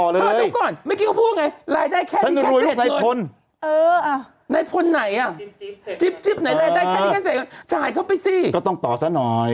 และลดไหมเธอ